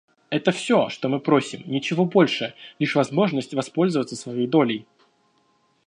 Это все, что мы просим, ничего больше — лишь возможность воспользоваться своей долей.